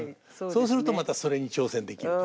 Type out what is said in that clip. そうするとまたそれに挑戦できると。